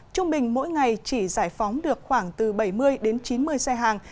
trung bình mỗi ngày chỉ giải phóng được khoảng từ bảy mươi đến chín mươi xe hàng